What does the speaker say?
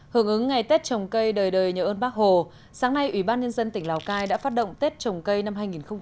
hưởng ứng ngày tết trồng cây đời đời nhớ ơn bác hồ sáng nay ủy ban nhân dân tỉnh lào cai đã phát động tết trồng cây năm hai nghìn hai mươi